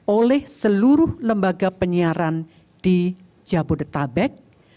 oleh seluruh lembaga penyiaran di jabodetabek